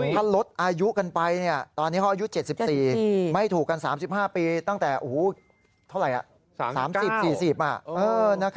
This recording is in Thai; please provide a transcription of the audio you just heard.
ถ้าลดอายุกันไปตอนนี้เขาอายุ๗๔ไม่ถูกกัน๓๕ปีตั้งแต่เท่าไหร่๓๐๔๐